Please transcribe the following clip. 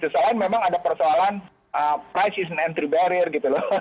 selain memang ada persoalan price is an entry barrier